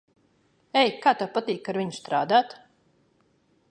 Ei, kā tev patīk ar viņu strādāt?